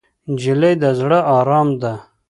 نجلۍ د زړه ارام ده.